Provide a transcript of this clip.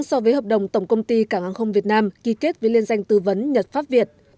so với hợp đồng tổng công ty cảng hàng không việt nam ký kết với liên danh tư vấn nhật pháp việt